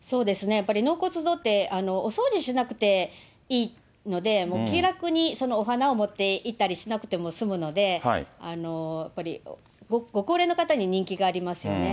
やっぱり納骨堂って、お掃除しなくていいので、気楽に、お花を持って行ったりしなくても済むので、やっぱりご高齢の方に人気がありますよね。